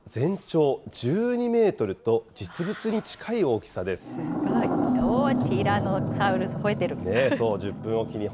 親は全長１２メートルと、実物にティラノサウルス、ほえてる。